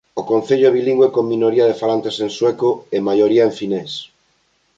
O concello é bilingüe con minoría de falantes en sueco e maioría en finés.